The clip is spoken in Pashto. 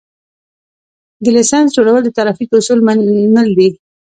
د لېسنس جوړول د ترافیکو اصول منل دي